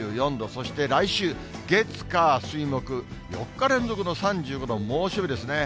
そして来週、月、火、水、木、４日連続の３５度、猛暑日ですね。